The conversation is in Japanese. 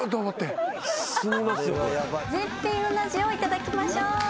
絶品うな重をいただきましょう。